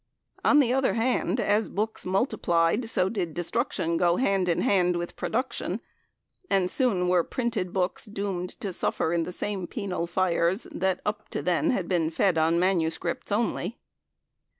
On the other hand, as books multiplied, so did destruction go hand in hand with production, and soon were printed books doomed to suffer in the same penal fires, that up to then had been fed on MSS. only.